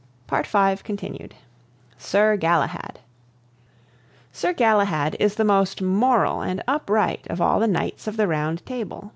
ALFRED TENNYSON. SIR GALAHAD. Sir Galahad is the most moral and upright of all the Knights of the Round Table.